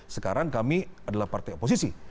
sekarang kami adalah partai oposisi